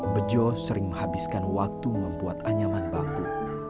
bejo sering menghabiskan waktu membuat anyaman bambu